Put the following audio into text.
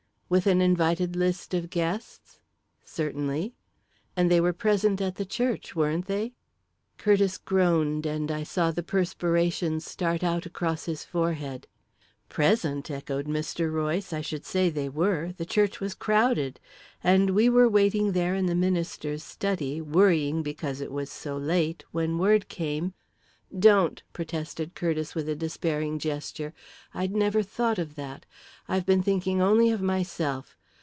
"With an invited list of guests?" "Certainly." "And they were present at the church, weren't they?" Curtiss groaned and I saw the perspiration start out across his forehead. "Present!" echoed Mr. Royce. "I should say they were the church was crowded. And we were waiting there in the minister's study, worrying because it was so late, when word came " "Don't!" protested Curtiss, with a despairing gesture. "I'd never thought of that. I've been thinking only of myself.